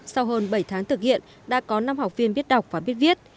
sau hơn bảy tháng thực hiện đã có năm học viên biết đọc và biết viết